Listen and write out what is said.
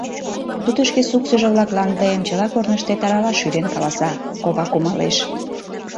«Тудо Шке Суксыжо-влаклан тыйым чыла корныштет аралаш шӱден каласа», — кова кумалеш.